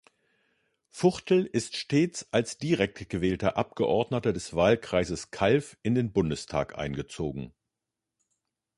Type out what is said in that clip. Fuchtel ist stets als direkt gewählter Abgeordneter des Wahlkreises Calw in den Bundestag eingezogen.